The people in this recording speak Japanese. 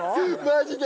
マジで！